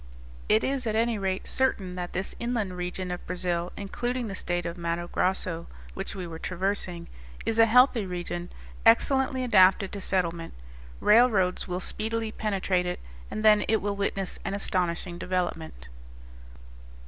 It is at any rate certain that this inland region of Brazil, including the state of Matto Grosso, which we were traversing, is a healthy region, excellently adapted to settlement; railroads will speedily penetrate it, and then it will witness an astonishing development.